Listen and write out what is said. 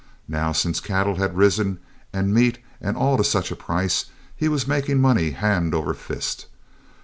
Now, since cattle had risen and meat and all to such a price, he was making money hand over fist.